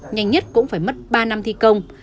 nhanh nhất cũng phải mất ba năm thi công